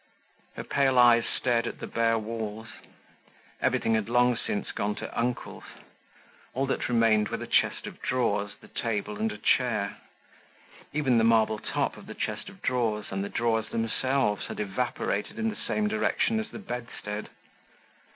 Her pale eyes stared at the bare walls. Everything had long since gone to "uncle's." All that remained were the chest of drawers, the table and a chair. Even the marble top of the chest of drawers and the drawers themselves, had evaporated in the same direction as the bedstead.